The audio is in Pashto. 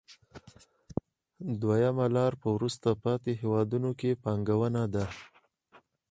دویمه لار په وروسته پاتې هېوادونو کې پانګونه ده